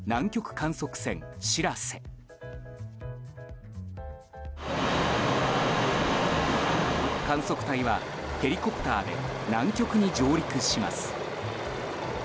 観測隊はヘリコプターで南極に上陸します。